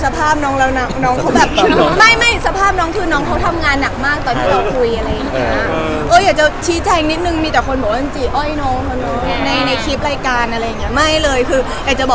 พี่บ๊วยน์เค้าไม่ได้มาจ